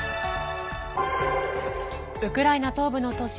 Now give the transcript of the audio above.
ウクライナ東部の都市